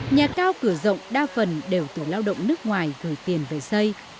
nhà cao cửa rộng đa phần đều từ lao động nước ngoài gửi tiền về xây